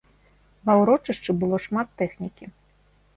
Ва ўрочышчы было шмат тэхнікі.